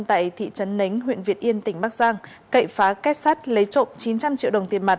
tại thị trấn nánh huyện việt yên tỉnh bắc giang cậy phá kết sát lấy trộm chín trăm linh triệu đồng tiền mặt